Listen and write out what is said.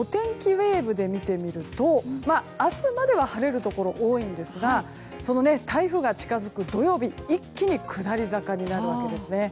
ウェーブで見てみると明日までは晴れるところ多いんですが台風が近づく土曜日一気に下り坂になります。